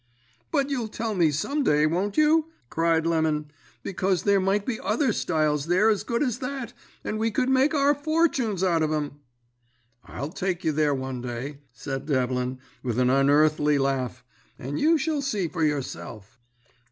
"'But you'll tell me some day, won't you?' cried Lemon. 'Because there might be other styles there as good as that, and we could make our fortunes out of 'em.' "'I'll take you there one day,' said Devlin, with an unearthly laugh, 'and you shall see for yourself.'